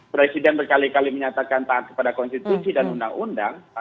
presiden berkali kali menyatakan taat kepada konstitusi dan undang undang